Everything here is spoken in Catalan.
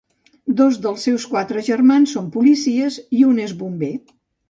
Dos dels seus quatre germans són policies i un és bomber.